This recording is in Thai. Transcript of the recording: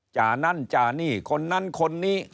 นั่นจ่านี่คนนั้นคนนี้